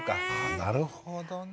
なるほどね。